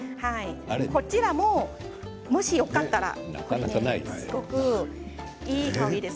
こちらも、もしよかったらすごくいい香りです。